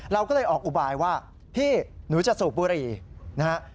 เราก็เลยออกอุบายว่าพี่หนูจะสูบบุหรี่นะฮะ